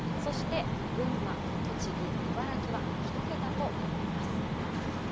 群馬、栃木、茨城は１桁となっています。